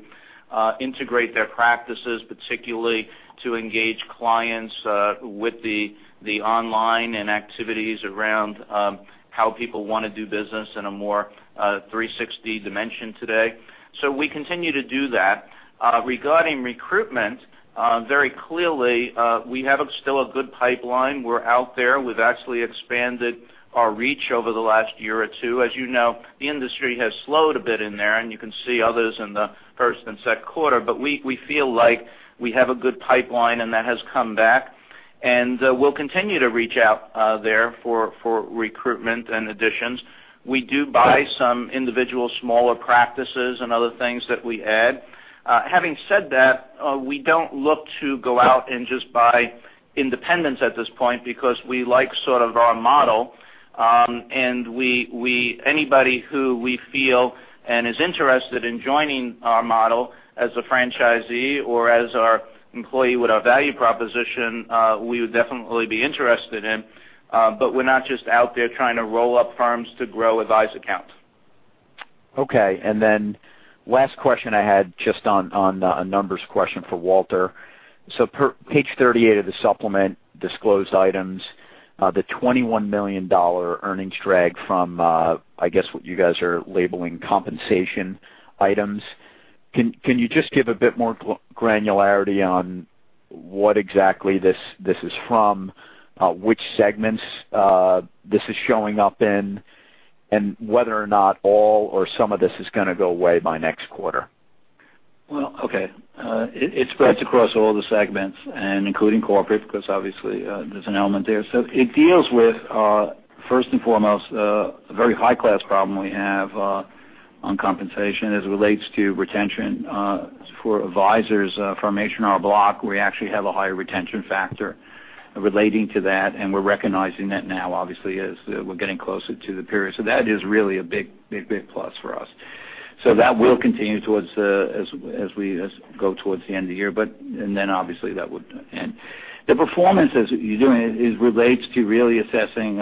integrate their practices, particularly to engage clients with the online and activities around how people want to do business in a more 360 dimension today. We continue to do that. Regarding recruitment, very clearly, we have still a good pipeline. We're out there. We've actually expanded our reach over the last year or two. As you know, the industry has slowed a bit in there, and you can see others in the first and second quarter. We feel like we have a good pipeline, and that has come back. We'll continue to reach out there for recruitment and additions. We do buy some individual smaller practices and other things that we add. Having said that, we don't look to go out and just buy independents at this point because we like sort of our model. Anybody who we feel and is interested in joining our model as a franchisee or as our employee with our value proposition, we would definitely be interested in. We're not just out there trying to roll up firms to grow advised accounts. Okay. Last question I had, just on a numbers question for Walter. Page 38 of the supplement, disclosed items, the $21 million earnings drag from, I guess, what you guys are labeling compensation items. Can you just give a bit more granularity on what exactly this is from, which segments this is showing up in, and whether or not all or some of this is going to go away by next quarter? Okay. It spreads across all the segments and including corporate, because obviously there's an element there. It deals with, first and foremost, a very high-class problem we have on compensation as it relates to retention for advisors from H&R Block. We actually have a higher retention factor relating to that, and we're recognizing that now, obviously, as we're getting closer to the period. That is really a big plus for us. That will continue as we go towards the end of the year. Obviously that would end. The performance as you're doing it relates to really assessing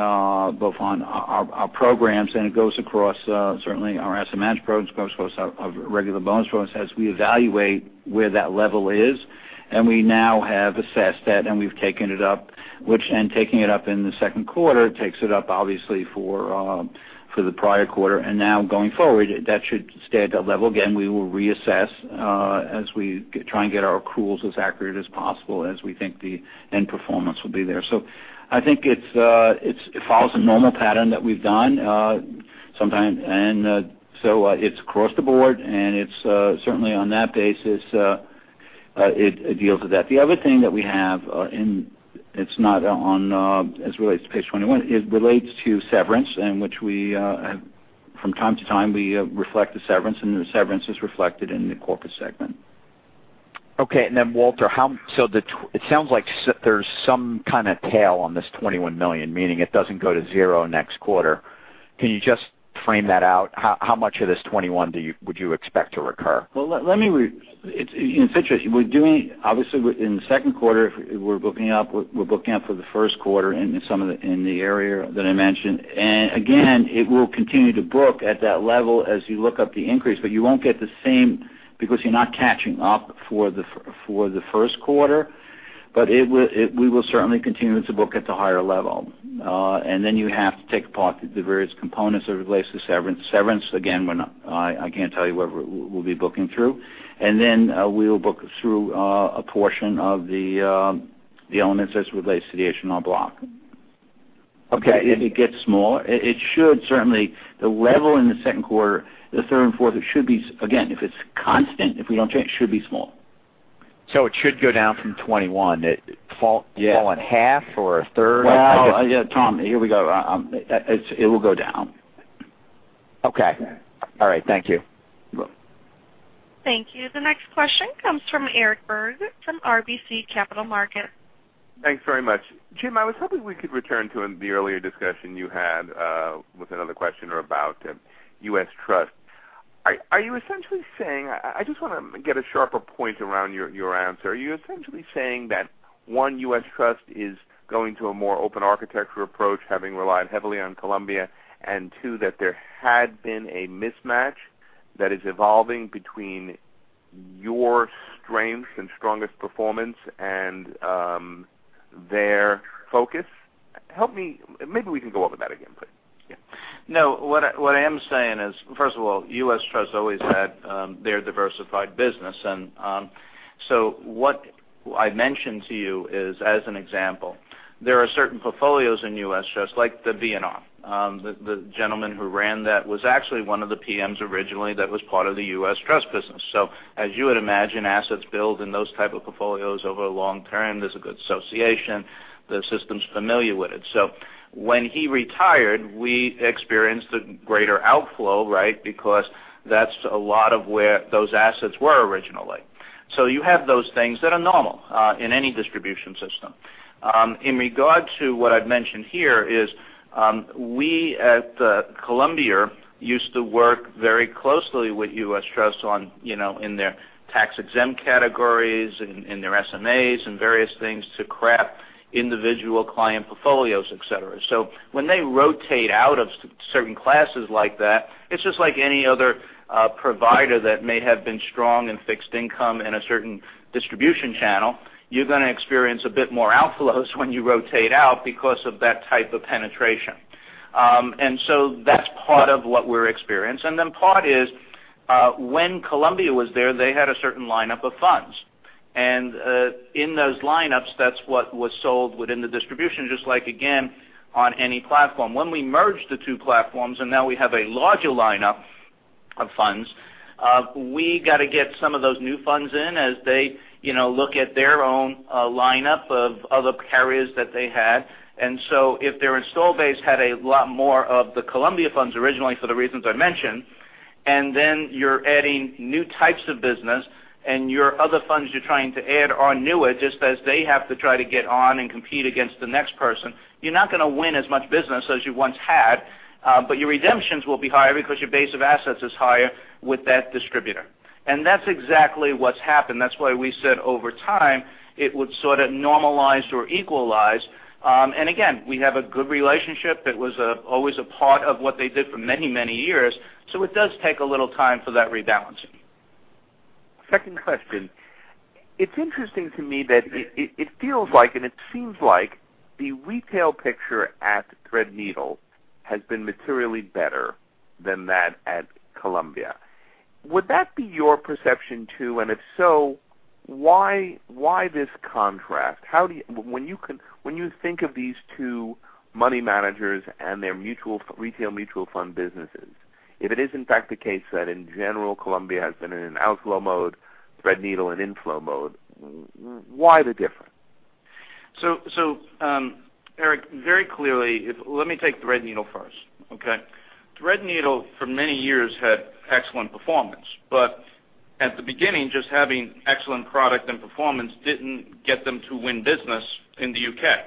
both on our programs, and it goes across certainly our SMA programs, goes across our regular bonus programs as we evaluate where that level is. We now have assessed that, and we've taken it up. Which taking it up in the second quarter takes it up obviously for the prior quarter. Now going forward, that should stay at that level. Again, we will reassess as we try and get our accruals as accurate as possible as we think the end performance will be there. I think it follows a normal pattern that we've done sometimes. It's across the board, and it's certainly on that basis, it deals with that. The other thing that we have, and it's not as related to page 21, it relates to severance in which from time to time we reflect the severance, and the severance is reflected in the corporate segment. Okay. Then Walter, it sounds like there's some kind of tail on this $21 million, meaning it doesn't go to zero next quarter. Can you just frame that out? How much of this $21 would you expect to recur? Well, let me it's interesting. Obviously in the second quarter, we're booking up for the first quarter in the area that I mentioned. Again, it will continue to book at that level as you look up the increase, but you won't get the same because you're not catching up for the first quarter. We will certainly continue to book at the higher level. Then you have to take apart the various components that relates to severance. Severance, again, I can't tell you whether we'll be booking through. Then we will book through a portion of the elements as it relates to the H&R Block. Okay. If it gets small, it should certainly, the level in the second quarter, the third and fourth, it should be, again, if it's constant, if we don't change, it should be small. It should go down from $21. Fall in half or a third? Well, Tom, here we go. It will go down. Okay. All right. Thank you. You're welcome. Thank you. The next question comes from Eric Berg from RBC Capital Markets. Thanks very much. Jim, I was hoping we could return to the earlier discussion you had with another questioner about U.S. Trust. I just want to get a sharper point around your answer. Are you essentially saying that, one, U.S. Trust is going to a more open architecture approach, having relied heavily on Columbia? Two, that there had been a mismatch that is evolving between your strengths and strongest performance and their focus? Help me. Maybe we can go over that again, please. What I am saying is, first of all, U.S. Trust always had their diversified business. What I mentioned to you is as an example. There are certain portfolios in U.S. Trust, like the VNR. The gentleman who ran that was actually one of the PMs originally that was part of the U.S. Trust business. As you would imagine, assets build in those type of portfolios over a long term. There's a good association. The system's familiar with it. When he retired, we experienced a greater outflow, because that's a lot of where those assets were originally. You have those things that are normal in any distribution system. In regard to what I've mentioned here is, we at Columbia used to work very closely with U.S. Trust in their tax-exempt categories, in their SMAs, and various things to craft individual client portfolios, et cetera. When they rotate out of certain classes like that, it's just like any other provider that may have been strong in fixed income in a certain distribution channel. You're going to experience a bit more outflows when you rotate out because of that type of penetration. That's part of what we're experiencing. Then part is, when Columbia was there, they had a certain lineup of funds. In those lineups, that's what was sold within the distribution, just like again, on any platform. When we merged the two platforms, and now we have a larger lineup of funds, we got to get some of those new funds in as they look at their own lineup of other carriers that they had. If their install base had a lot more of the Columbia funds originally, for the reasons I mentioned, and then you're adding new types of business, and your other funds you're trying to add are newer, just as they have to try to get on and compete against the next person, you're not going to win as much business as you once had. Your redemptions will be higher because your base of assets is higher with that distributor. That's exactly what's happened. That's why we said over time, it would sort of normalize or equalize. Again, we have a good relationship. It was always a part of what they did for many years. It does take a little time for that rebalancing. Second question. It's interesting to me that it feels like, and it seems like the retail picture at Threadneedle has been materially better than that at Columbia. Would that be your perception too? If so, why this contrast? When you think of these two money managers and their retail mutual fund businesses, if it is in fact the case that in general, Columbia has been in an outflow mode, Threadneedle in inflow mode, why the difference? Eric, very clearly, let me take Threadneedle first. Okay? Threadneedle for many years had excellent performance, but at the beginning, just having excellent product and performance didn't get them to win business in the U.K.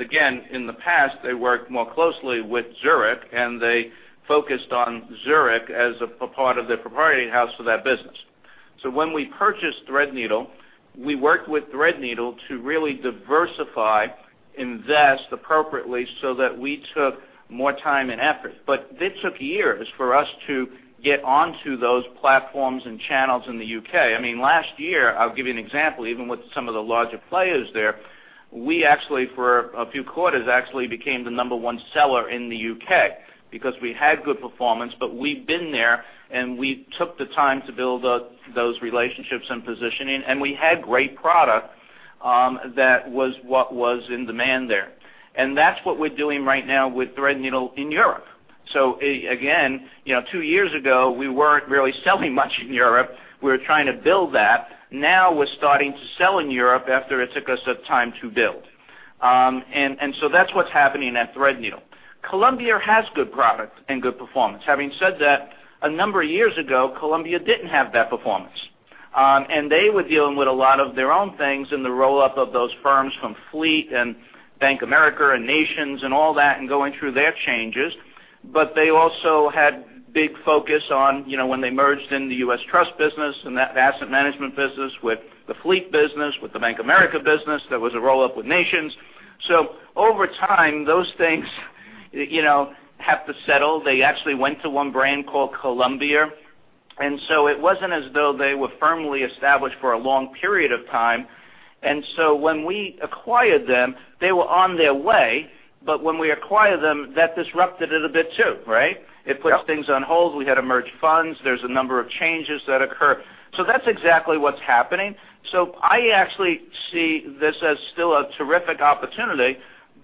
Again, in the past, they worked more closely with Zurich, and they focused on Zurich as a part of their proprietary house for that business. When we purchased Threadneedle, we worked with Threadneedle to really diversify, invest appropriately so that we took more time and effort. This took years for us to get onto those platforms and channels in the U.K. Last year, I'll give you an example, even with some of the larger players there, we actually, for a few quarters, actually became the number one seller in the U.K. because we had good performance, but we'd been there, and we took the time to build those relationships and positioning, and we had great product that was what was in demand there. That's what we're doing right now with Threadneedle in Europe. Again, two years ago, we weren't really selling much in Europe. We were trying to build that. Now we're starting to sell in Europe after it took us time to build. That's what's happening at Threadneedle. Columbia has good product and good performance. Having said that, a number of years ago, Columbia didn't have that performance. They were dealing with a lot of their own things in the roll-up of those firms from Fleet and Bank of America and Nations and all that, and going through their changes. They also had big focus on when they merged in the U.S. Trust business and that asset management business with the Fleet business, with the Bank of America business. There was a roll-up with Nations. Over time, those things have to settle. They actually went to one brand called Columbia. It wasn't as though they were firmly established for a long period of time. When we acquired them, they were on their way. When we acquired them, that disrupted it a bit too, right? Yeah. It puts things on hold. We had to merge funds. There's a number of changes that occur. That's exactly what's happening. I actually see this as still a terrific opportunity,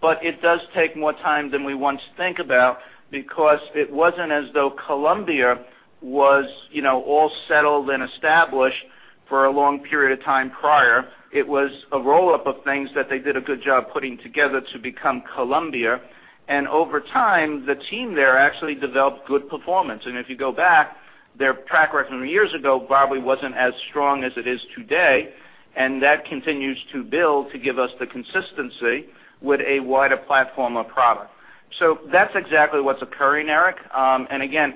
but it does take more time than we once think about because it wasn't as though Columbia was all settled and established for a long period of time prior. It was a roll-up of things that they did a good job putting together to become Columbia. Over time, the team there actually developed good performance. If you go back, their track record from years ago probably wasn't as strong as it is today, and that continues to build to give us the consistency with a wider platform of product. That's exactly what's occurring, Eric. Again,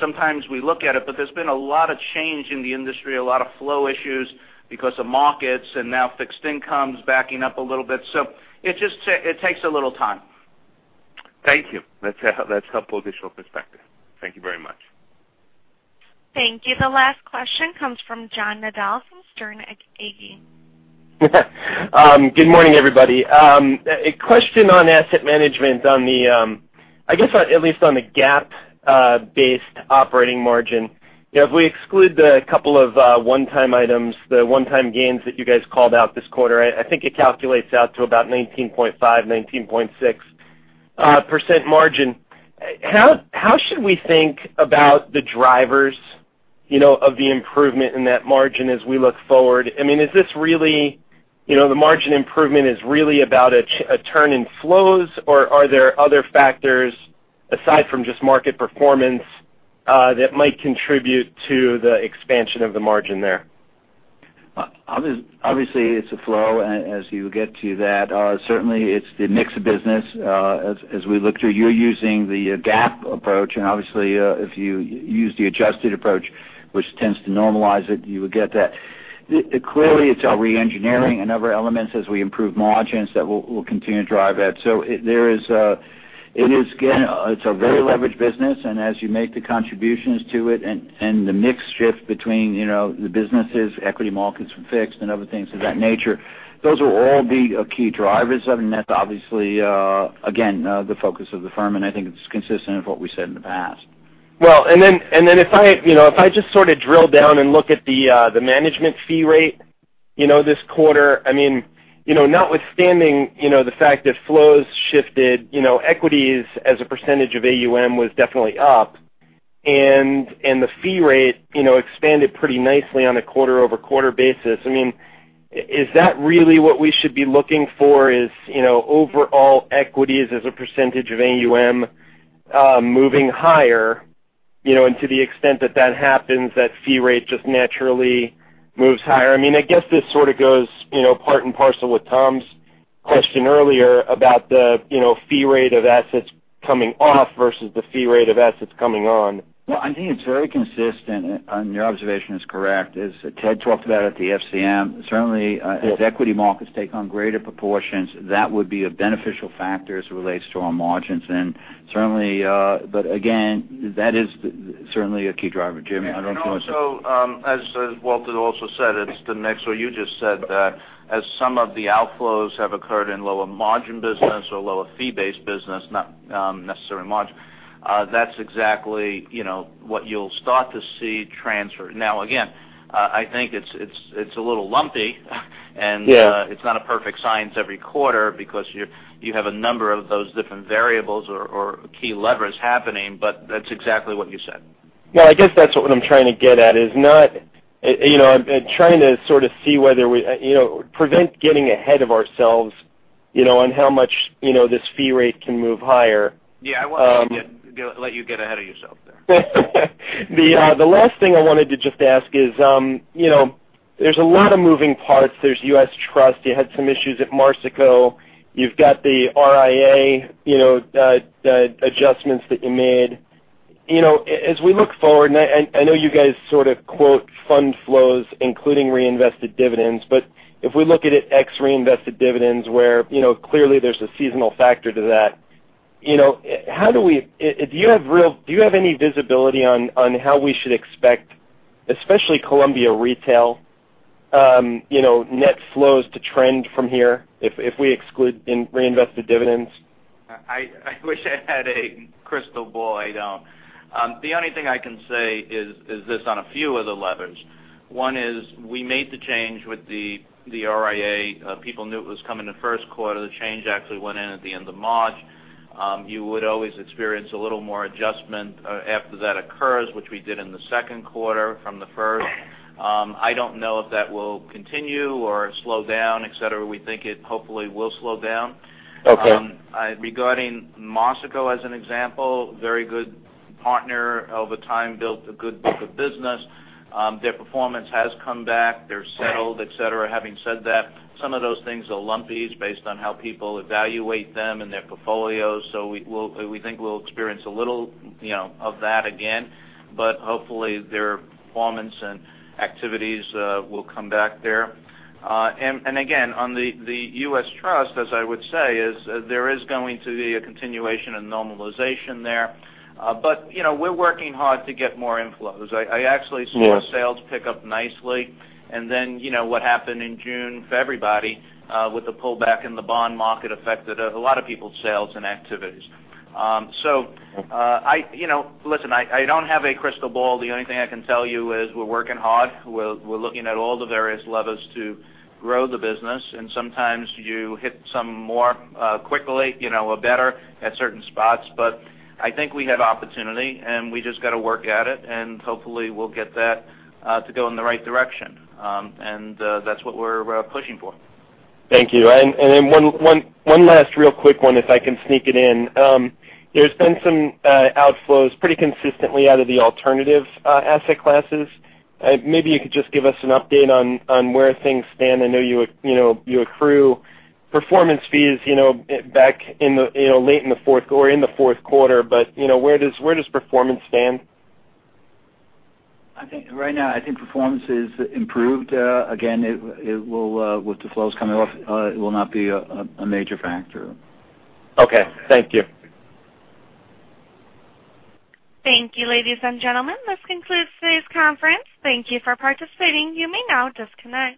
sometimes we look at it, but there's been a lot of change in the industry, a lot of flow issues because of markets and now fixed income's backing up a little bit. It takes a little time. Thank you. That's helpful additional perspective. Thank you very much. Thank you. The last question comes from John Nadel from Sterne Agee. Good morning, everybody. A question on asset management on the I guess at least on the GAAP-based operating margin, if we exclude the couple of one-time items, the one-time gains that you guys called out this quarter, I think it calculates out to about 19.5%, 19.6% margin. How should we think about the drivers of the improvement in that margin as we look forward? Is the margin improvement really about a turn in flows, or are there other factors aside from just market performance that might contribute to the expansion of the margin there? Obviously, it's a flow, as you get to that, certainly it's the mix of business. As we look through, you're using the GAAP approach, obviously, if you use the adjusted approach, which tends to normalize it, you would get that. Clearly, it's our re-engineering and other elements as we improve margins that will continue to drive that. It's a very leveraged business, as you make the contributions to it and the mix shift between the businesses, equity markets and fixed and other things of that nature, those will all be key drivers of, and that's obviously, again, the focus of the firm, and I think it's consistent with what we said in the past. If I just sort of drill down and look at the management fee rate this quarter, notwithstanding the fact that flows shifted, equities as a percentage of AUM was definitely up, the fee rate expanded pretty nicely on a quarter-over-quarter basis. Is that really what we should be looking for is, overall equities as a percentage of AUM moving higher, to the extent that that happens, that fee rate just naturally moves higher? I guess this sort of goes part and parcel with Tom's question earlier about the fee rate of assets coming off versus the fee rate of assets coming on. I think it's very consistent, your observation is correct, as Ted talked about at the FCM. Certainly, as equity markets take on greater proportions, that would be a beneficial factor as it relates to our margins. Again, that is certainly a key driver. Jim, I don't know if you want to say- Also, as Walt had also said, it's the mix where you just said that as some of the outflows have occurred in lower margin business or lower fee-based business, not necessarily margin, that's exactly what you'll start to see transfer. Now, again, I think it's a little lumpy. Yeah it's not a perfect science every quarter because you have a number of those different variables or key levers happening, but that's exactly what you said. Well, I guess that's what I'm trying to get at is trying to sort of see whether we prevent getting ahead of ourselves, on how much this fee rate can move higher. Yeah. I won't let you get ahead of yourself there. The last thing I wanted to just ask is, there's a lot of moving parts. There's U.S. Trust. You had some issues at Marsico. You've got the RIA adjustments that you made. As we look forward, and I know you guys sort of quote fund flows, including reinvested dividends, but if we look at it ex reinvested dividends, where clearly there's a seasonal factor to that, do you have any visibility on how we should expect, especially Columbia Retail net flows to trend from here if we exclude reinvested dividends? I wish I had a crystal ball. I don't. The only thing I can say is this on a few of the levers. One is we made the change with the RIA. People knew it was coming the first quarter. The change actually went in at the end of March. You would always experience a little more adjustment after that occurs, which we did in the second quarter from the first. I don't know if that will continue or slow down, et cetera. We think it hopefully will slow down. Okay. Regarding Marsico, as an example, very good partner. Over time, built a good book of business. Their performance has come back. They're settled, et cetera. Having said that, some of those things are lumpy. It's based on how people evaluate them and their portfolios. We think we'll experience a little of that again, but hopefully their performance and activities will come back there. Again, on the U.S. Trust, as I would say, is there is going to be a continuation and normalization there. We're working hard to get more inflows. I actually saw sales pick up nicely, and then what happened in June for everybody with the pullback in the bond market affected a lot of people's sales and activities. Listen, I don't have a crystal ball. The only thing I can tell you is we're working hard. We're looking at all the various levers to grow the business, sometimes you hit some more quickly, or better at certain spots. I think we have opportunity, and we just got to work at it, hopefully, we'll get that to go in the right direction. That's what we're pushing for. Thank you. One last real quick one, if I can sneak it in. There's been some outflows pretty consistently out of the alternative asset classes. Maybe you could just give us an update on where things stand. I know you accrue performance fees back in the fourth quarter, but where does performance stand? I think right now, I think performance is improved. Again, with the flows coming off, it will not be a major factor. Okay. Thank you. Thank you, ladies and gentlemen. This concludes today's conference. Thank you for participating. You may now disconnect.